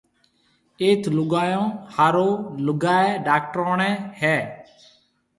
ايٿ لوگايون ھارو لوگائيَ ڊاڪروڻيَ ھيََََ